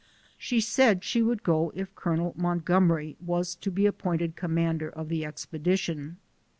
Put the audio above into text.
She said she would go if Col. Montgomery was to be appointed commander of the expedition.